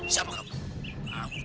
dia berkata yang sebenarnya